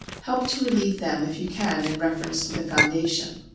Help to relieve them if you can in reference to the foundation.